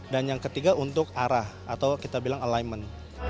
dan yang ketiga untuk arah atau kita bilang alignment